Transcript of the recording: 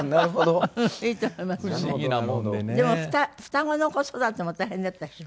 でも双子の子育ても大変だったでしょ？